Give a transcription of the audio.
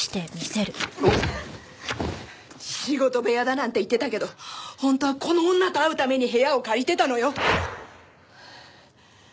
仕事部屋だなんて言ってたけど本当はこの女と会うために部屋を借りてたのよ。